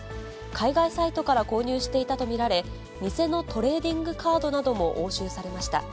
海外サイトから購入していたと見られ、偽のトレーディングカードなども押収されました。